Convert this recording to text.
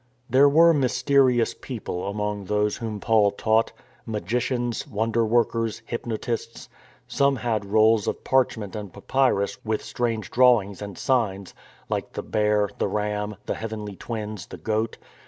There were mysterious people among those whom Paul taught, magicians, wonder workers, hypnotists. Some had rolls of parchment and papyrus with strange drawings and signs, like the Bear, the Ram, the Heavenly Twins, the Goat.